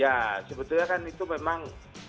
ya sebetulnya kan itu memang